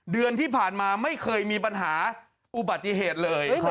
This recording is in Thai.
เดือนที่ผ่านมาไม่เคยมีปัญหาอุบัติเหตุเลย